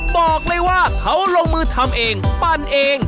บอกเลยว่าเขาลงมือทำเองปั้นเอง